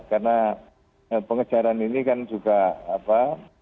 karena pengejaran ini kan juga apa